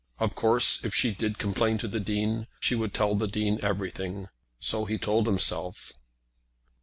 Of course if she did complain to the Dean she would tell the Dean everything. So he told himself.